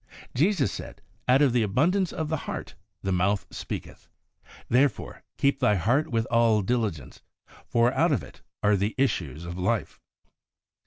Jesus said, ' Out of the abundance of the heart the mouth speaketh.' Therefore, ' keep thy heart with all diligence, for out of it are the issues of life.